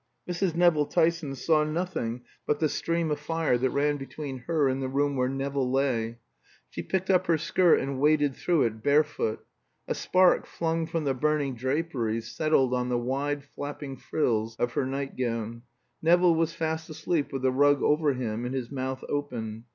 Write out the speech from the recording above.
Mrs. Nevill Tyson saw nothing but the stream of fire that ran between her and the room where Nevill lay. She picked up her skirt and waded through it barefoot. A spark flung from the burning draperies settled on the wide flapping frills of her night gown. Nevill was fast asleep with the rug over him and his mouth open.